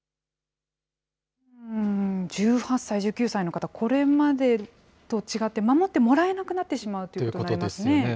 １８歳、１９歳の方、これまでと違って、守ってもらえなくなってしまうということになりますね。